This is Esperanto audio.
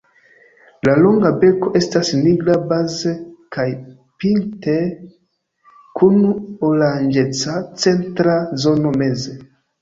La longa beko estas nigra baze kaj pinte kun oranĝeca centra zono meze.